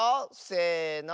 せの。